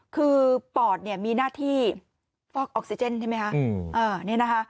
คือปอดมีหน้าที่ฟอกออกซิเจนใช่ไหมคะ